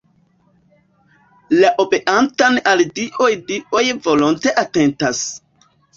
La obeantan al dioj dioj volonte atentas.